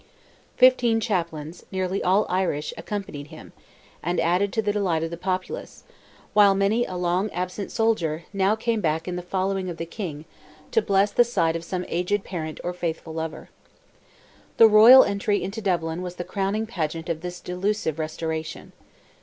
Fifteen chaplains, nearly all Irish, accompanied him, and added to the delight of the populace; while many a long absent soldier, now came back in the following of the king, to bless the sight of some aged parent or faithful lover. The royal entry into Dublin was the crowning pageant of this delusive restoration.